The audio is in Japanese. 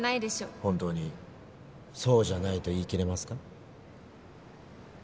本当にそうじゃないと言いきれますか？